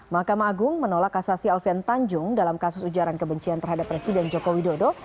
mahkamah agung menolak kasasi alfian tanjung dalam kasus ujaran kebencian terhadap presiden joko widodo